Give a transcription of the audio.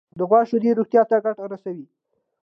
د غوا شیدې روغتیا ته ګټه رسوي.